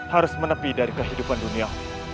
harus menepi dari kehidupan dunia